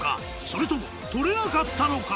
それとも取れなかったのか？